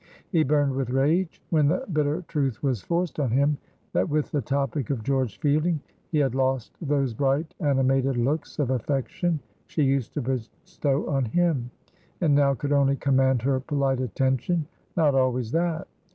He burned with rage when the bitter truth was forced on him, that, with the topic of George Fielding, he had lost those bright, animated looks of affection she used to bestow on him, and now could only command her polite attention, not always that.